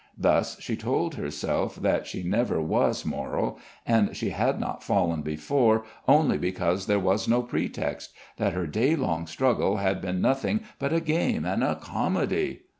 Thus she told herself that she never was moral, and she had not fallen before only because there was no pretext, that her day long struggle had been nothing but a game and a comedy....